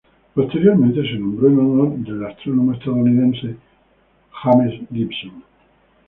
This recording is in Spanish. Posteriormente se nombró en honor del astrónomo estadounidense James Gibson.